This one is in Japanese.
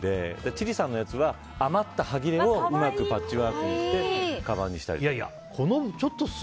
千里さんのやつは余った端切れをうまくパッチワークしてかばんにしたりとか。